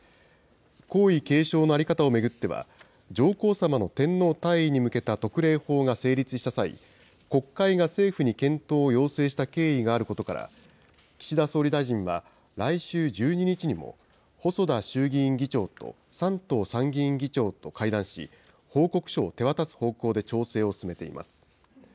皇位継承の在り方を巡っては、上皇さまの天皇退位に向けた特例法が成立した際、国会が政府に検討を要請した経緯があることから、岸田総理大臣は来週１２日にも、細田衆議院議長と山東参議院議長と会談し、報告書を手渡す方向で調整を進めています。